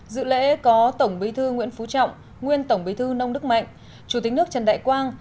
dự lễ có tổng bí thư nguyễn phú trọng nguyên tổng bí thư nông đức mạnh chủ tịch nước trần đại quang